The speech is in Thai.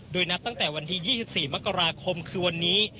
โดยนับตั้งแต่วันที่๒๔มกราคมคือวันนี้